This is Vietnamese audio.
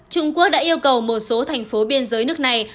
trung quốc đã yêu cầu một số thành phố biên giới nước này